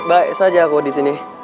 baik saja aku di sini